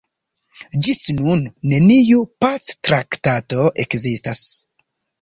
Ĝis nun neniu pactraktato ekzistas.